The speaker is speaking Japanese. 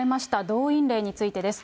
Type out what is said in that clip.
動員令についてです。